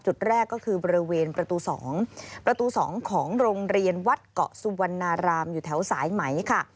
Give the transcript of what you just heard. จุดแรกก็คือบริเวณประตู๒ประตู๒ของโรงเรียนวัดเกาะสุวรรณารามอยู่แถวสายไหมค่ะ